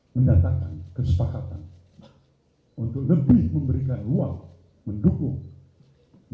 mendatangkan kesepakatan untuk lebih memberikan ruang mendukung